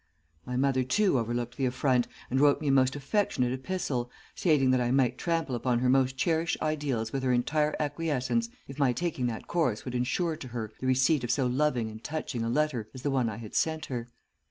My mother too overlooked the affront, and wrote me a most affectionate epistle, stating that I might trample upon her most cherished ideals with her entire acquiescence if my taking that course would ensure to her the receipt of so loving and touching a letter as the one I had sent her.